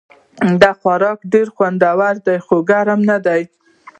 دا خوراک ډېر خوندور ده خو ګرم نه ده